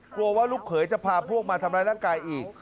กลัวว่าลูกเขยจะพาพวกมาทำร้ายร่างกายอีก